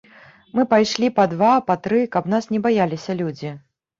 Мы пайшлі па два, па тры, каб нас не баяліся людзі.